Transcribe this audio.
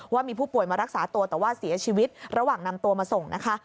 ว่ามีผู้ป่วยมารักษาตัวแต่ว่าเสียชีวิตระหว่างนำตัวมาส่งนะคะ